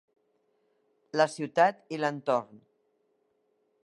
La ciutat i l'entorn